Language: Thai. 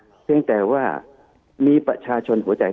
คุณหมอประเมินสถานการณ์บรรยากาศนอกสภาหน่อยได้ไหมคะ